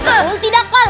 bagul tidak kal